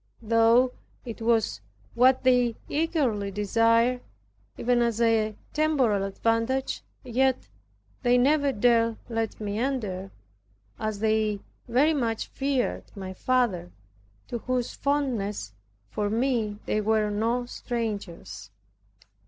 Though it was what they eagerly desired, even as a temporal advantage, yet they never dared let me enter, as they very much feared my father, to whose fondness for me they were no strangers.